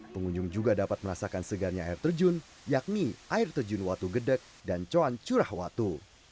pengunjung juga dapat merasakan segarnya air terjun yakni air terjun watu gedek dan cuan curah watu